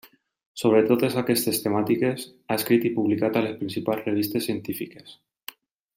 Sobre totes aquestes temàtiques, ha escrit i publicat a les principals revistes científiques.